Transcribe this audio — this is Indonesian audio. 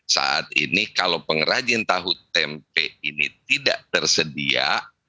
saat ini kalau pengrajin tahu tempe ini tidak tersedia